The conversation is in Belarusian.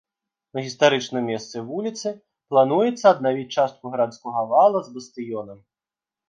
На гістарычным месцы вуліцы плануецца аднавіць частку гарадскога вала з бастыёнам.